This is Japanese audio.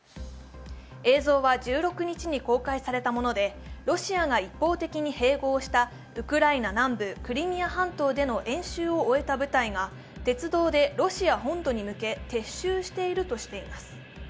映像は１６日に公開されたもので、ロシアが一方的に併合したウクライナ南部クリミア半島での演習を終えた舞台が鉄道でロシア本土に向け撤収しているとしています。